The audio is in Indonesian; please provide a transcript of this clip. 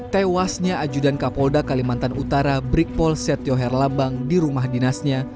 tewasnya ajudan kapolda kalimantan utara brig pol setioher lambang di rumah dinasnya